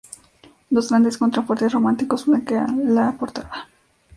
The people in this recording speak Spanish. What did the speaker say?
Dos grandes contrafuertes románicos flanquean la portada.